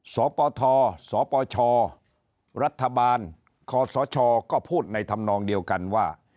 สปทสปชรัฐบาลคศก็พูดในธรรมนองเดียวกันว่า